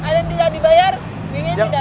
ada yang tidak dibayar bimbing tidak dibayar